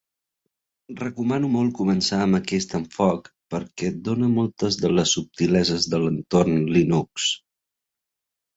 Recomano molt començar amb aquest enfoc perquè et dona moltes de les subtileses de l'entorn Linux.